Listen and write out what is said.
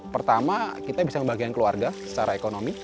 pertama kita bisa membagikan keluarga secara ekonomi